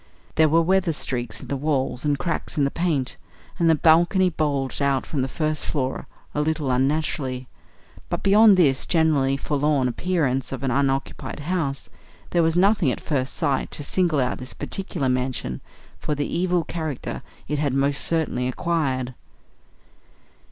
There were weather streaks in the wall and cracks in the paint, and the balcony bulged out from the first floor a little unnaturally. But, beyond this generally forlorn appearance of an unoccupied house, there was nothing at first sight to single out this particular mansion for the evil character it had most certainly acquired.